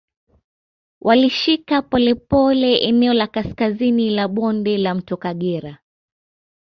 Walilishika polepole eneo la kaskazini la bonde la mto Kagera